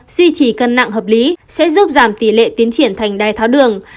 duy trì cân nặng hợp lý sẽ giúp giảm tỷ lệ tiến triển thành đai tháo đường